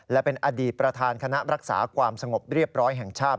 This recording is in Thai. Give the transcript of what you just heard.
และเป็นอดีตประธานคณะรักษาความสงบเรียบร้อยแห่งชาติ